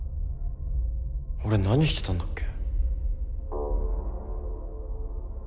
俺何してたんだっけ？